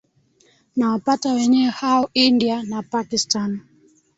nawapata wenyewe hao india na pakistani